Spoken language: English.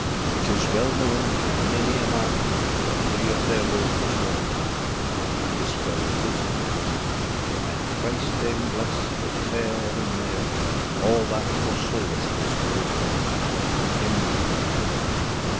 Yt is wel knowen toe manie a man, That Freer Theobald was warden than, And thys fel in hys tyme. And Chryst thayme bles both ferre and nere, Al that for solas this doe here, And hym that made the ryme.